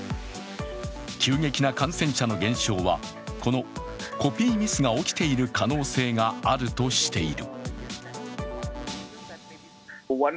急激な感染者の減少はこのコピーミスが起きている可能性があるとしている。